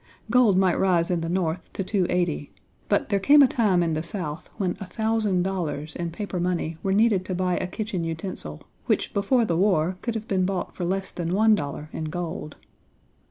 Gold might rise in the North to 2.80, but there came a time in the South, when a thousand dollars in paper money were needed to buy a kitchen utensil, which before the war could have been bought for less than one dollar in gold.